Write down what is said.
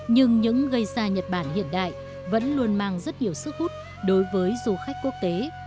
nhưng những gây ra nhật bản hiện đại vẫn luôn mang rất nhiều sức hút đối với du khách quốc tế